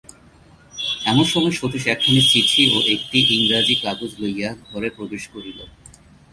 এমন সময় সতীশ একখানি চিঠি ও একটি ইংরাজি কাগজ লইয়া ঘরে প্রবেশ করিল।